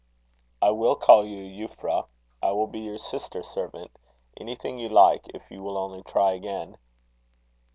"I will call you Euphra. I will be your sister servant anything you like, if you will only try again."